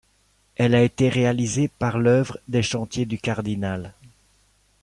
Elle a été réalisée par l'Œuvre des Chantiers du Cardinal.